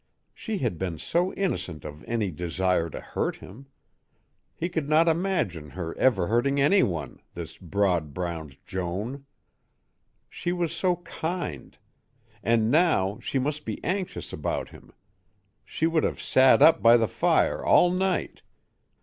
She had been so innocent of any desire to hurt him. He could not imagine her ever hurting any one, this broad browed Joan. She was so kind. And now she must be anxious about him. She would have sat up by the fire all night....